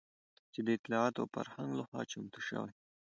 چې د اطلاعاتو او فرهنګ لخوا چمتو شوى